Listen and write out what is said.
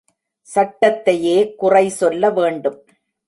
சட்டத்தையே குறை சொல்லவேண்டும்.